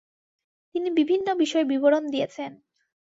তিনি বিভিন্ন বিষয়ে বিবরণ দিয়েছেন।